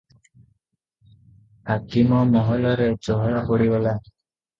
ହାକିମ ମହଲରେ ଚହଳ ପଡିଗଲା ।